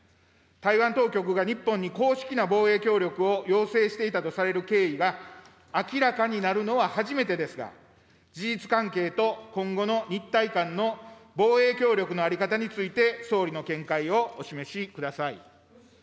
台湾当局が日本に公式な防衛協力を要請していたとされる経緯が明らかになるのは初めてですが、事実関係と、今後の日台間の防衛協力の在り方について、総理の見解をお示しください。